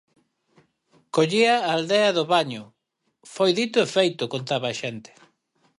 Collía a aldea do Baño... 'Foi dito e feito', contaba a xente.